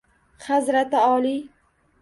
-Hazrati oliy!